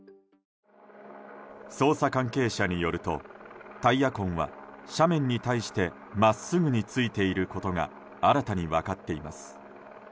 捜査関係者によるとタイヤ痕は斜面に対して真っすぐについていることが新たに分かっています。